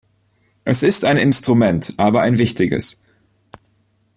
Es ist ein Instrument, aber ein wichtiges.